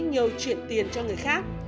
nhờ chuyển tiền cho người khác